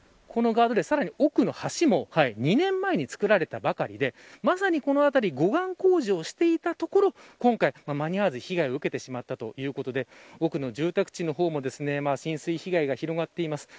奥の橋も２年前につくられたばかりで、まさにこの後で護岸工事をしていたところ今回、間に合わず被害を受けてしまったということで奥の住宅地の方も浸水被害が広まっています。